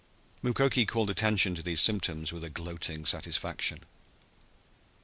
Mukoki called attention to these symptoms with a gloating satisfaction.